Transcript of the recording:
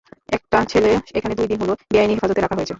একটা ছেলেকে এখানে দুই দিন হলো বেআইনি হেফাজতে রাখা হয়েছে।